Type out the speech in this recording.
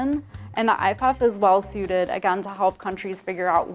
dan ipaf juga sesuai untuk membantu negara negara mencari peran yang bisa mereka lakukan